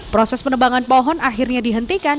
proses penebangan pohon akhirnya dihentikan